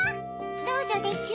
どうぞでちゅ。